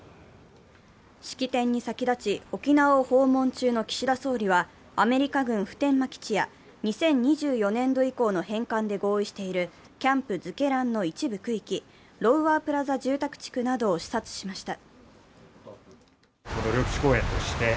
式典に先立ち沖縄を訪問中の岸田総理はアメリカ軍普天間基地や２０２４年度以降の返還で合意しているキャンプ瑞慶覧の一部区域、ロウワー・プラザ住宅地区などを視察しました。